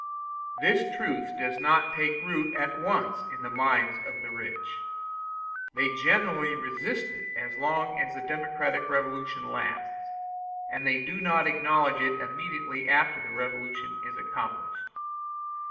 This truth does not take root at once in the minds of the rich. They generally resist it as long as the democratic revolution lasts, and they do not acknowledge it immediately after that revolution is accomplished.